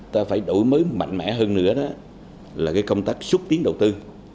ta phải đổi mới mạnh mẽ hơn nữa đó là cái công tác xúc tiến đầu tư